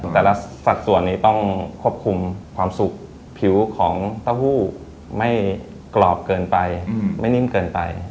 แต่ละสัดส่วนนี้ต้องควบคุมความสุขผิวของเต้าหู้ไม่กรอบเกินไปไม่นิ่มเกินไป